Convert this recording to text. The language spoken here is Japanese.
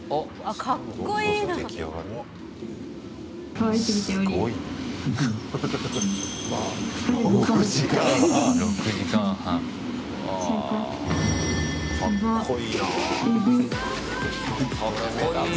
かっこいいなあ。